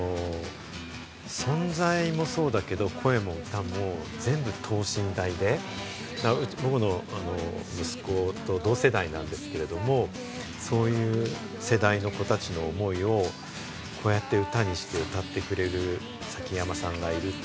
存在もそうだけど、歌も声も等身大で、息子と同世代なんですけれども、そういう世代の子たちの思いを、こうやって歌にして歌ってくれる、崎山さんがいる。